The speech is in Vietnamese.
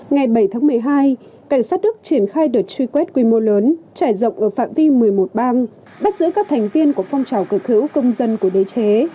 ngày bảy tháng một mươi hai cảnh sát đức triển khai đợt truy quét quy mô lớn trải rộng ở phạm vi một mươi một bang bắt giữ các thành viên của phong trào cực hữu công dân của đế chế